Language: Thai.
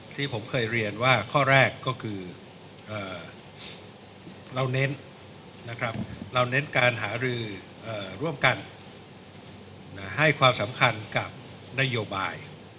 ที่ผมเคยเรียนว่าข้อแรกก็คือเราเน้นนะครับเราเน้นการหารือร่วมกันให้ความสำคัญกับนโยบาย